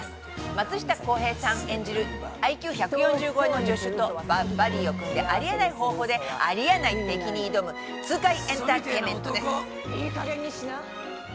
松下洸平さん演じるＩＱ１４０超えの助手とバディーを組んであり得ない方法であり得ない敵に挑む痛快エンターテインメントです。